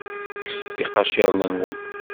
Kkset iqaciren-nwen.